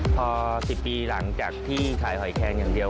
พอ๑๐ปีหลังจากที่ขายหอยแคงอย่างเดียว